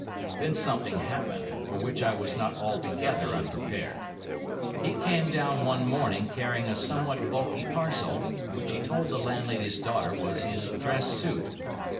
Then something happened, for which I was not altogether unprepared. He came down one morning carrying a somewhat bulky parcel, which he told the landlady's daughter was his dress suit.